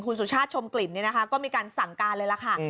คุณสุชาติชมกลิ่นก็มีการสั่งการเลยล่ะค่ะ